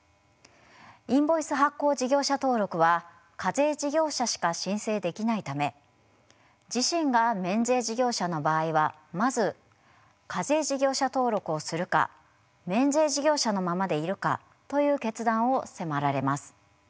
インボイス発行事業者登録は課税事業者しか申請できないため自身が免税事業者の場合はまず課税事業者登録をするか免税事業者のままでいるかという決断を迫られます。